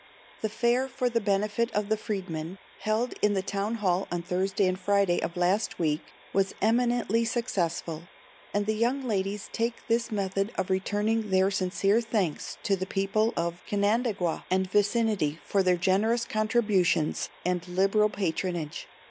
The Fair for the benefit of the Freedmen, held in the Town Hall on Thursday and Friday of last week was eminently successful, and the young ladies take this method of returning their sincere thanks to the people of Canandaigua and vicinity for their generous contributions and liberal patronage.